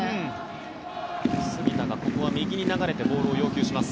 杉田がここは右に流れてボールを要求します。